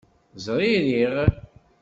Zririɣ.